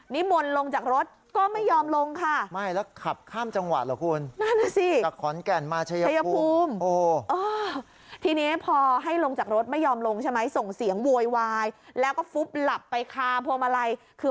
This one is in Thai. นิมวนลงจากรถก็ไม่ยอมลงค่ะไม่แล้วขับข้ามจังหวะเหรอคุณ